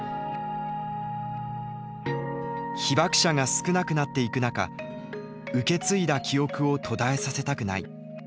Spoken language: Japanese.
被爆者が少なくなっていく中受け継いだ記憶を途絶えさせたくない。